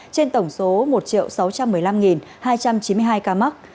trên tổng số một sáu trăm một mươi năm hai trăm chín mươi hai ca mắc